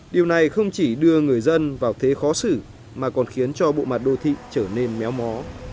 điều này không chỉ đưa người dân vào thế khó xử mà còn khiến cho bộ mặt đô thị trở nên méo mó